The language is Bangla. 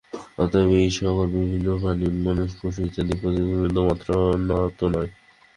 অতএব এই-সকল বিভিন্ন প্রাণী, মানুষ, পশু ইত্যাদি প্রতিবিম্ব মাত্র, সত্য নয়।